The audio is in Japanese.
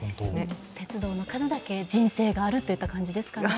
鉄道の数だけ人生があるといった感じですかね。